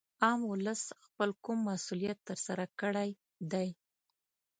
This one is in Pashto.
عام ولس خپل کوم مسولیت تر سره کړی دی